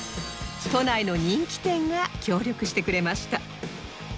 都内の人気店が協力してくれました